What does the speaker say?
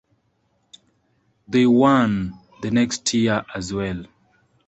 They won the next year as well.